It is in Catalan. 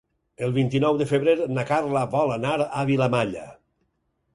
El vint-i-nou de febrer na Carla vol anar a Vilamalla.